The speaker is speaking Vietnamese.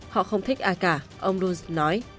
họ không thích ai cả ông luce nói